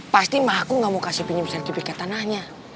pasti emak aku gak mau kasih pinjam sertifikat tanahnya